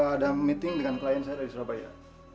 ada meeting dengan klien saya dari surabaya